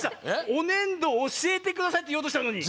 「おねんどおしえてください」っていおうとしたのに。